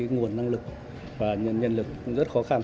nguồn năng lực và nhân lực rất khó khăn